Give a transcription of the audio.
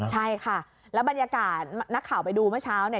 ใช่ค่ะแล้วบรรยากาศนักข่าวไปดูเมื่อเช้าเนี่ย